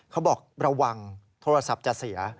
เขาบอกระวังโทรศัพท์จะเสีย